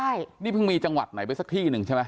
นี่อ๋อทุกคนพิมพ์ครับเมื่อทั้งมีจังหวัดไหนไปสักที่หนึ่งใช่ไหม